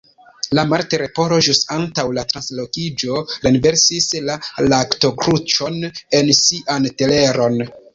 La Martleporo ĵus antaŭ la translokiĝo renversis la laktokruĉon en sian teleron